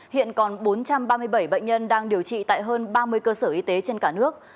hiện còn bốn trăm ba mươi bảy bệnh nhân đang điều trị tại hơn ba mươi cơ sở y tế trên cả nước